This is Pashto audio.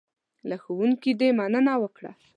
له ښوونکي دې مننه وکړه .